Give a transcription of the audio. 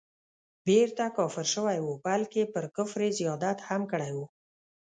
بیرته کافر سوی وو بلکه پر کفر یې زیادت هم کړی وو.